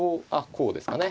こうですかね。